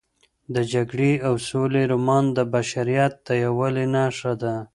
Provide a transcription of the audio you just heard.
د جګړې او سولې رومان د بشریت د یووالي نښه ده.